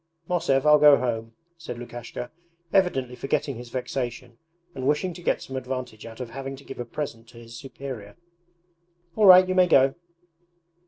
'Mosev, I'll go home,' said Lukashka, evidently forgetting his vexation and wishing to get some advantage out of having to give a present to his superior. 'All right, you may go!'